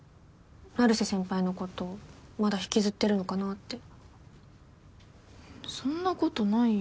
成瀬先輩のことまだ引きずってるのかなってそんなことないよ・